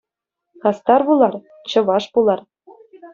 Хастар пулар, чӑваш пулар!